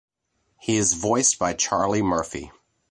He is voiced by Charlie Murphy.